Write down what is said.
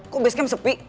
kok base game sepi